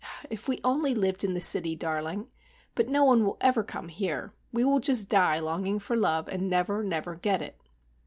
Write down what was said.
If we only lived in the city, darling. But no one will ever come here. We will just die longing for love and never, never get it."